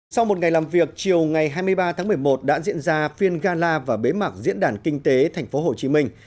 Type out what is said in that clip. sau một ngày làm việc chiều ngày hai mươi ba tháng một mươi một đã diễn ra phiên gala và bế mạc diễn đàn kinh tế thành phố hồ chí minh